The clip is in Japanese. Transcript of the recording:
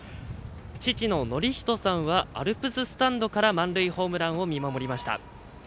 父ののりひとさんはアルプススタンドから満塁ホームランを見守りました。